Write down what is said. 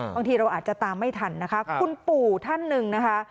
บางทีเราอาจจะตามไม่ทันนะคะคุณปู่ท่านหนึ่งนะคะ